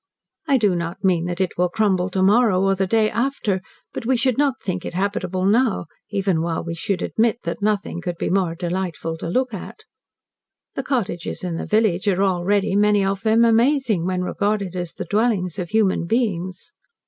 I do not mean that it will crumble to morrow, or the day after, but we should not think it habitable now, even while we should admit that nothing could be more delightful to look at. The cottages in the village are already, many of them, amazing, when regarded as the dwellings of human beings.